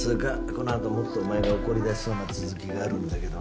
このあともっとお前が怒りだしそうな続きがあるんだけど。